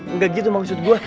enggak gitu maksud gue